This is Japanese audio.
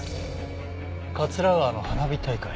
桂川の花火大会。